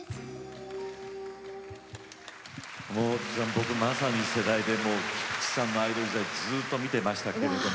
僕まさに世代で菊池さんのアイドル世代ずっと見てましたけれども。